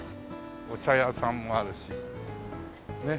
お茶屋さんもあるしねっ。